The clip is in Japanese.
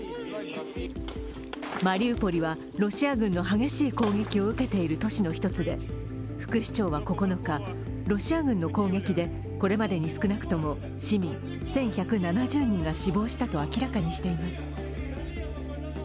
マリウポリはロシア側の激しい攻撃を受けている都市の一つで副市長は９日、ロシア軍の攻撃でこれまでに少なくとも市民１１７０人が死亡したと明らかにしています。